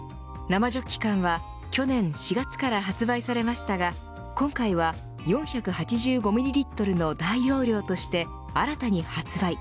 生ジョッキ缶は去年４月から発売されましたが今回は４８５ミリリットルの大容量として新たに発売。